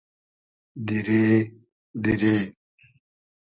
دیرې؟ دیرې؟